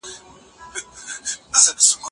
دې کس فکر کاوه چې ولسمشر به غچ واخلي.